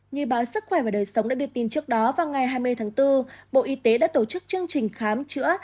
như báo sức khỏe và đời sống đã đưa tin trước đó vào ngày hai mươi tháng bốn bộ y tế đã tổ chức chương trình khám chữa